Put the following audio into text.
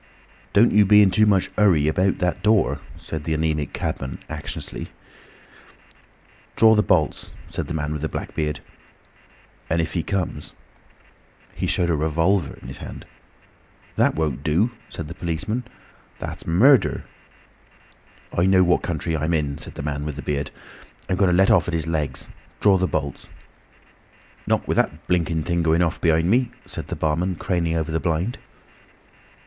"Don't you be in too much hurry about that door," said the anaemic cabman, anxiously. "Draw the bolts," said the man with the black beard, "and if he comes—" He showed a revolver in his hand. "That won't do," said the policeman; "that's murder." "I know what country I'm in," said the man with the beard. "I'm going to let off at his legs. Draw the bolts." "Not with that blinking thing going off behind me," said the barman, craning over the blind.